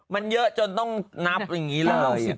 มันเยอะจนต้องนับอย่างนี้เลย